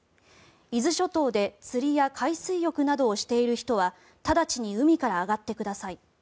伊豆諸島で釣りや海水浴などをしている人は直ちに海から上がってください。